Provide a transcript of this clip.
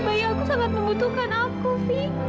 bayi aku sangat membutuhkan aku sih